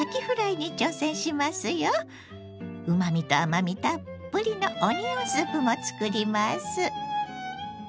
うまみと甘みたっぷりのオニオンスープも作ります。